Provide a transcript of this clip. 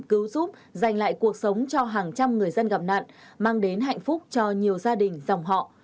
cứu giúp giành lại cuộc sống cho hàng trăm người dân gặp nạn mang đến hạnh phúc cho nhiều gia đình dòng họ